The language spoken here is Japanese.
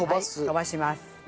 飛ばします。